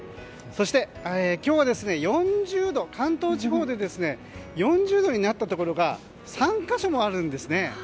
そして今日は関東地方で４０度になったところが３か所もあるんですね。